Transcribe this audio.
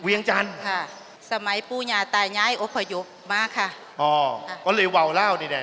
เวียงจันทร์